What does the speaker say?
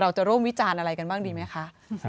เราจะร่วมวิจารณ์อะไรกันบ้างดีไหมคะ